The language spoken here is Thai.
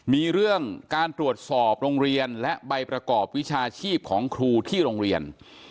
มีเรื่องการตรวจสอบโรงเรียนและใบประกอบวิชาชีพของครูที่โรงเรียน